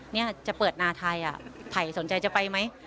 เนี่ยจะเปิดนาไทยไผ่สนใจจะไปไหม